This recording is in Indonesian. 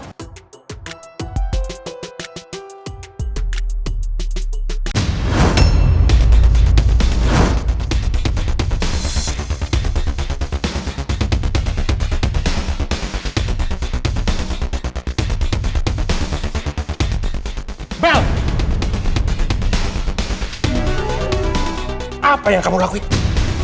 oh mereka galau sih di situ